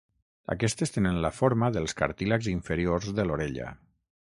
Aquestes tenen la forma dels cartílags inferiors de l'orella.